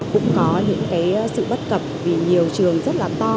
cũng có những cái sự bất cập vì nhiều trường rất là to